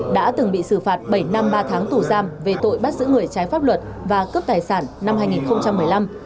đã từng bị xử phạt bảy năm ba tháng tù giam về tội bắt giữ người trái pháp luật và cướp tài sản năm hai nghìn một mươi năm